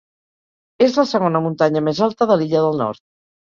És la segona muntanya més alta de l'illa del Nord.